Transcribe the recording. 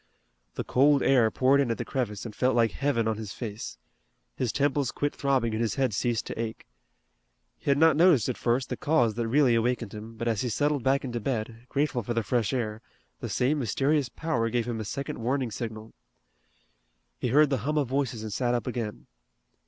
The cold air poured in at the crevice and felt like heaven on his face. His temples quit throbbing and his head ceased to ache. He had not noticed at first the cause that really awakened him, but as he settled back into bed, grateful for the fresh air, the same mysterious power gave him a second warning signal. He heard the hum of voices and sat up again.